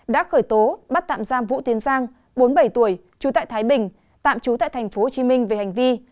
đã khởi tố bắt tạm giam vũ tiến giang bốn mươi bảy tuổi trú tại thái bình tạm trú tại tp hcm về hành vi